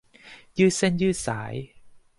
ยืดเส้นยืดสาย